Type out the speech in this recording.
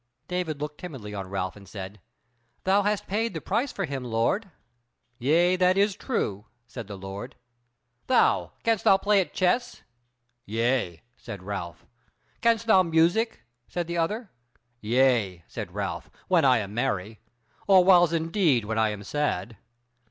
David looked timidly on Ralph and said: "Thou hast paid the price for him, lord." "Yea, that is true," said the Lord. "Thou! can'st thou play at the chess?" "Yea," said Ralph. "Can'st thou music?" said the other. "Yea," said Ralph, "when I am merry, or whiles indeed when I am sad."